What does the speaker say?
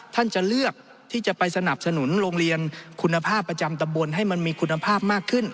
ท่านจะเลือกที่จะไปสนับสนุนโรงเรียนคุณภาพประจำตำบลให้มันมีคุณภาพมากขึ้น